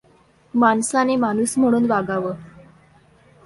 माणसाने माणूस म्हणून वागावं.